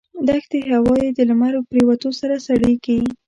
دښتي هوا یې د لمر پرېوتو سره سړېږي.